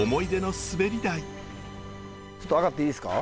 ちょっと上がっていいですか？